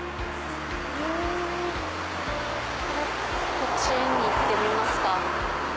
こっちに行ってみますか。